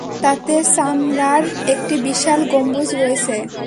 তাতে চামড়ার একটি বিশাল গম্বুজ রয়েছে।